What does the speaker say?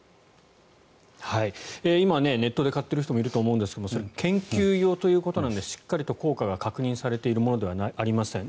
今、ネットで買ってる人もいると思いますが研究用ということなのでしっかりと効果が確認されているものではありません。